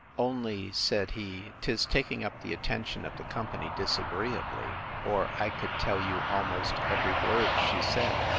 Only, said he, 'tis taking up the attention of the company disagreeably, or I could tell you almost every word she said.